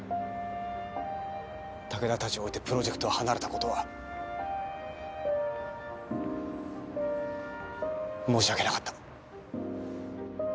武田たちを置いてプロジェクトを離れた事は申し訳なかった。